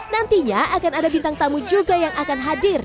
nantinya akan ada bintang tamu juga yang akan hadir